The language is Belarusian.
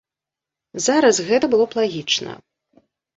Зараз гэта было б лагічна.